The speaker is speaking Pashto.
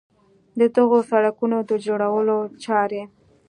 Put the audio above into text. د دغو سړکونو د جوړولو چارې